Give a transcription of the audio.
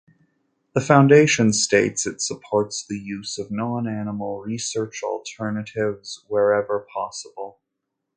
The foundation states it supports the use of non-animal research alternatives wherever possible.